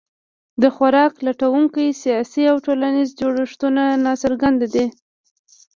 د خوراک لټونکو سیاسي او ټولنیز جوړښتونه ناڅرګند دي.